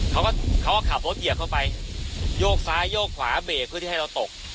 เขาก็เขาก็ขับรถเหยียบเข้าไปโยกซ้ายโยกขวาเบรกเพื่อที่ให้เราตก